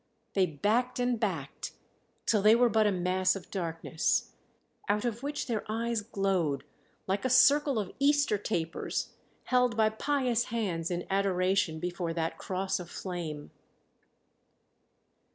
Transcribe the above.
They backed and backed, till they were but a mass of darkness, out of which their eyes glowed like a circle of Easter tapers held by pious hands in adoration before that cross of flame.